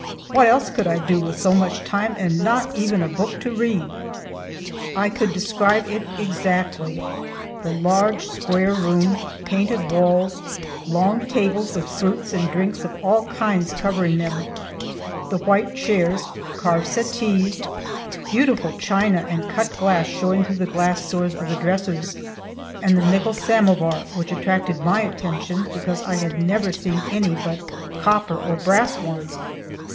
What else could I do with so much time and not even a book to read? I could describe it exactly the large, square room, painted walls, long tables with fruits and drinks of all kinds covering them, the white chairs, carved settees, beautiful china and cut glass showing through the glass doors of the dressers, and the nickel samovar, which attracted my attention because I had never seen any but copper or brass ones.